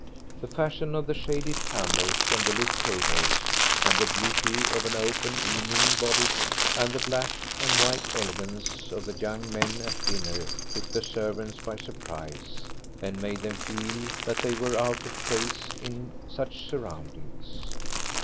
The fashion of the shaded candles and the little tables, and the beauty of an open evening bodice and the black and white elegance of the young men at dinner, took the servants by surprise, and made them feel that they were out of place in such surroundings.